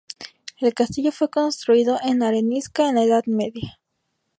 El castillo fue construido en arenisca en la Edad Media.